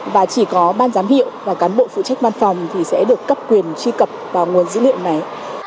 và chỉ có ban giám hiệu và cán bộ phụ trách văn phòng thì sẽ được cấp quyền truy cập vào nguồn dữ liệu này